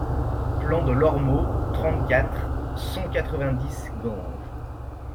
Plan de l'Ormeau, trente-quatre, cent quatre-vingt-dix Ganges